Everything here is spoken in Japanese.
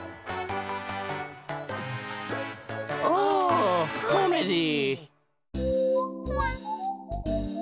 オコメディー！